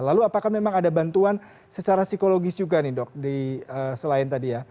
lalu apakah memang ada bantuan secara psikologis juga nih dok selain tadi ya